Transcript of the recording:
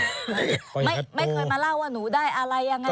ไม่เคยมาเล่าว่าหนูได้อะไรยังไง